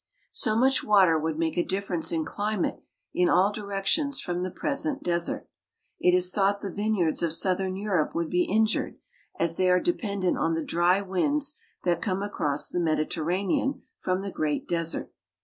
So much water would make a difference in climate in all directions from the present desert. It is thought the vineyards of southern Europe would be injured, as they are dependent on the dry winds that come across the Mediterranean from the great desert.